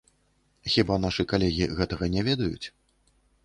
Хіба нашы калегі гэтага не ведаюць?